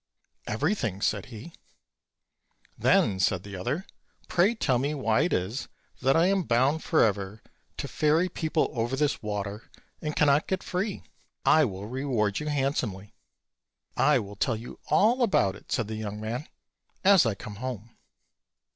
"Everything," said he. "Then," said the other, "pray tell me why it is that I am bound forever to ferry people over this water, and cannot get free? I will reward you handsomely." "I will tell you all about it," said the young man, "as I come home."